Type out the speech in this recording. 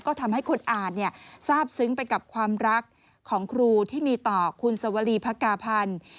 ก็ทำให้คนอ่านทราบซึ้งไปกับความรักของครูที่มีต่อคุณสวรีพระกาพันธ์